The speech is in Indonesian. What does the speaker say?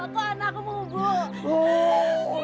aku anak bu